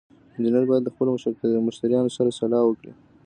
انجینر باید له خپلو مشتریانو سره سلا وکړي.